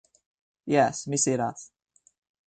Jes, mi sidas.